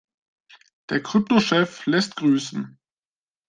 Der Kryptochef lässt grüßen.